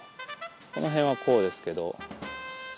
この辺はこうですけど。